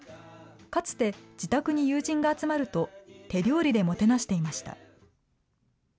かつて、自宅に友人が集まると手料理でもてなしていました。